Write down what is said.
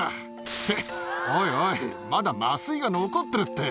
っておいおいまだ麻酔が残ってるって。